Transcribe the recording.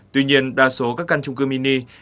tuy nhiên đa số các căn chung cư mini